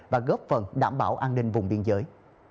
và góp phần đảm bảo an ninh vùng biên giới